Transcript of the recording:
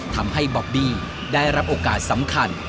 ทำให้บอบบี้ได้รับโอกาสสำคัญ